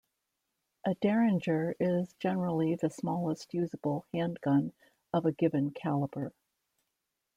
A derringer is generally the smallest usable handgun of a given caliber.